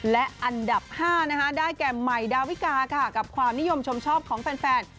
และอันดับ๕ได้แก่ใหม่ดาวิกาค่ะกับความนิยมชมชอบของแฟน